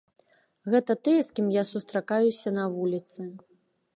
Гэта тыя, з кім я сустракаюся на вуліцы.